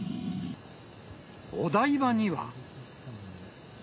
お台場には。